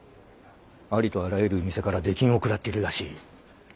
ありとあらゆる店から出禁を食らっているらしい。